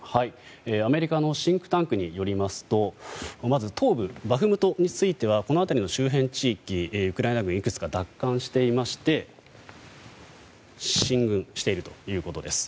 アメリカのシンクタンクによりますとまず、東部バフムトについてはこの辺りの周辺地域をウクライナ軍いくつか奪還していまして進軍しているということです。